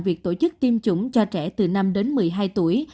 việc tổ chức tiêm chủng cho trẻ từ năm đến một mươi hai tuổi